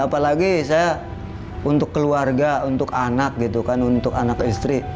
apalagi saya untuk keluarga untuk anak gitu kan untuk anak istri